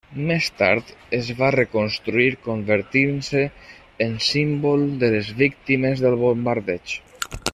Més tard es va reconstruir convertint-se en símbol de les víctimes del bombardeig.